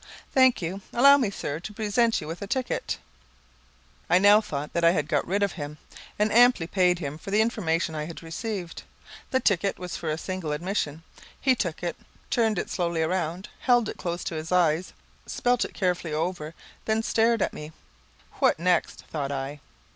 "Thank you. Allow me, sir, to present you with a ticket." I now thought that I had got rid of him, and amply paid him for the information I had received. The ticket was for a single admission. He took it, turned it slowly round, held it close to his eyes, spelt it carefully over, and then stared at me. "What next?" thought I.